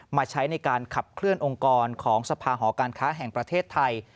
มาใช้ในการขับเคลื่อนองค์กรของสภาหอการค้าแห่งประเทศไทย